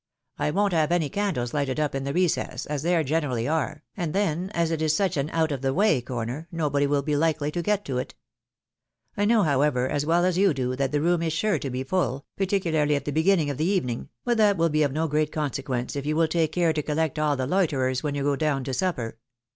I won't have any candles lighted up in the recess, as there gene rally are ; and then, as it is such an out of the way corner, no body will be likely to get to it. I know, however, as well as you do, that the room is sure to be full, particularly at the beginning of the evening ; but that will be of no great conse quence if you will take care to collect all the loiterers when you go down to supper.